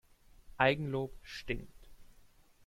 Eigenlob stinkt.